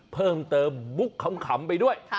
เพิ่มเติมมุกขำไปด้วย